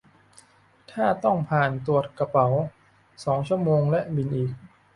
ถ้าต้องผ่านตรวจกระเป๋า สอง ชั่วโมงและบินอีก